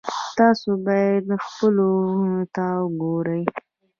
تاسو باید خپلو وروڼو ته وګورئ.